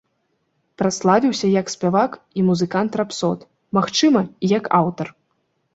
Праславіўся як спявак і музыкант-рапсод, магчыма, і як аўтар.